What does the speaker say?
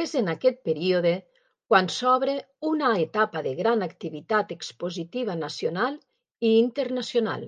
És en aquest període quan s'obre una etapa de gran activitat expositiva nacional i internacional.